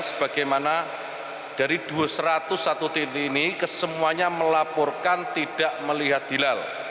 sebagaimana dari satu ratus satu titik ini kesemuanya melaporkan tidak melihat hilal